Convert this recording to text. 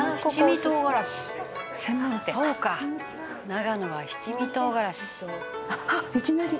長野は七味唐辛子」あっいきなり！